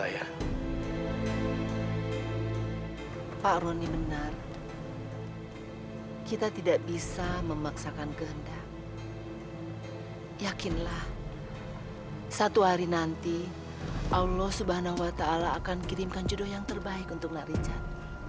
yakinlah satu hari nanti allah swt akan kirimkan judul yang terbaik untuk narinjan